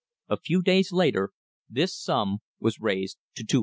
A few days later this sum was raised to $200,000.